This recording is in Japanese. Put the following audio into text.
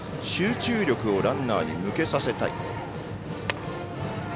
集中力をランナーに向けさせたい。